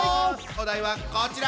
お題はこちら！